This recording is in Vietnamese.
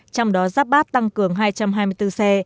trong đó giáp bát tăng cường hai trăm hai mươi bốn xe